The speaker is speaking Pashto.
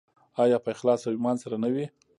آیا په اخلاص او ایمان سره نه وي؟